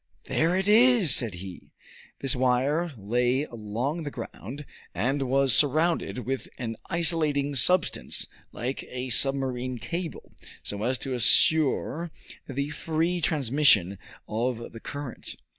"There it is!" said he. This wire lay along the ground, and was surrounded with an isolating substance like a submarine cable, so as to assure the free transmission of the current.